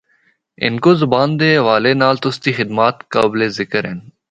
ہندکو زبان دے حوالے نال تُسدی خدمات قابل ذکر ہن۔